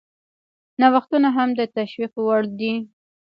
نوښتونه هم د تشویق وړ دي.